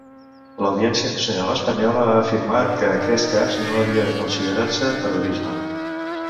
L'Audiència Nacional Espanyola ha afirmat que aquest cas no havia de considerar-se terrorisme.